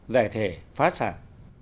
giải thể phá sản